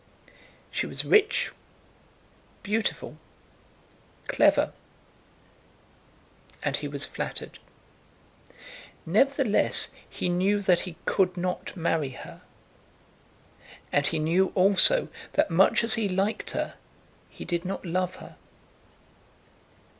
She was rich, beautiful, clever, and he was flattered. Nevertheless he knew that he could not marry her; and he knew also that much as he liked her he did not love her.